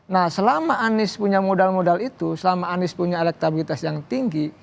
nah selama anies punya modal modal itu selama anies punya elektabilitas yang tinggi